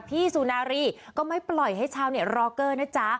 พี่สุนารีก็ไม่ปล่อยให้ชาวรอเกิ้ลนะจ๊ะ